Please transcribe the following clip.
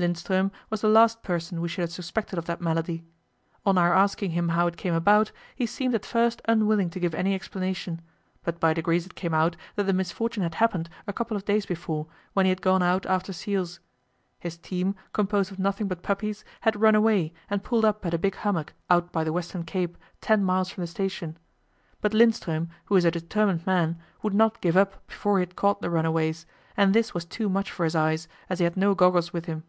Lindström was the last person we should have suspected of that malady. On our asking him how it came about, he seemed at first unwilling to give any explanation; but by degrees it came out that the misfortune had happened a couple of days before, when he had gone out after seals. His team, composed of nothing but puppies, had run away and pulled up at a big hummock out by the western cape, ten miles from the station. But Lindström, who is a determined man, would not give up before he had caught the runaways; and this was too much for his eyes, as he had no goggles with him.